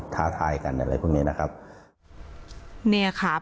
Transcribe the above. ท้าทายกันอะไรพวกนี้นะครับ